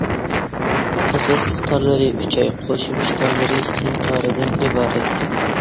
ئاساسلىق تارلىرى ئۈچەي، قوشۇمچە تارلىرى سىم تارىدىن ئىبارەت.